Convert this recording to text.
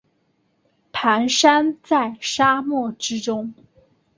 蹒跚在沙漠之中